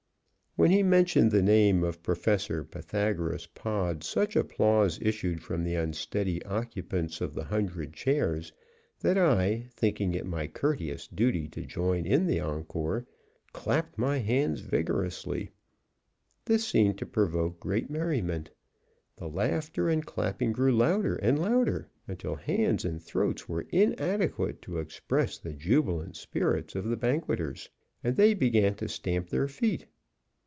When he mentioned the name of Professor Pythagoras Pod such applause issued from the unsteady occupants of the hundred chairs that I, thinking it my courteous duty to join in the encore, clapped my hands vigorously. This seemed to provoke great merriment. The laughter and clapping grew louder and louder, until hands and throats were inadequate to express the jubilant spirits of the banqueters, and they began to stamp their feet.